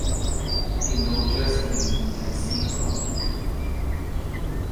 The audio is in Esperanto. Li loĝas en Helsinko.